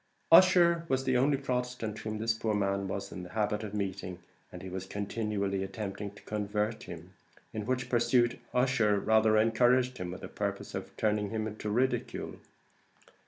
Ussher was the only Protestant whom this poor man was in the habit of meeting, and he was continually attempting to convert him; in which pursuit Ussher rather encouraged him with the purpose of turning him into ridicule.